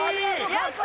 やった！